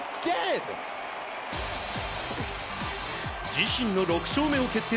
自身の６勝目を決定